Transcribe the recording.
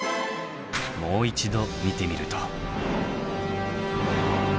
もう一度見てみると。